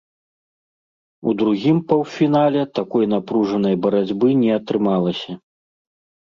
У другім паўфінале такой напружанай барацьбы не атрымалася.